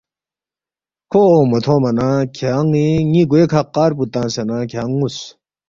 کھو اونگمو تھونگما نہ کھیان٘ی ن٘ی گوے کھہ قار پو تنگسےنہ کھیانگ نُ٘وس